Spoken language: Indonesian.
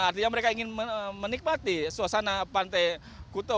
artinya mereka ingin menikmati suasana pantai kuto